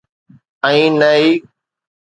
۽ نه ئي.